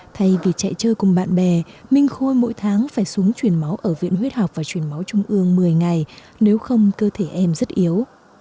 thay vì chạy chơi cùng bạn bè minh khôi mỗi tháng phải xuống chuyển máu ở viện huyết học và truyền máu trung ương một mươi ngày nếu không cơ thể em rất yếu